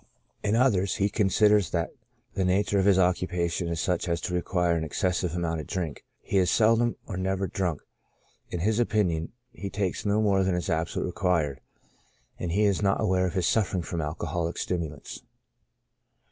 In others, he considers that the nature of his occupation is such as to require an excessive amount of drink ; he is seldom or never drunk ; in his opinion he takes no more than is absolutely required, and he is not aware of his suffering from alcoholic stimulants.